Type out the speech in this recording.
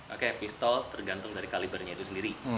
oke pistol tergantung dari kalibernya itu sendiri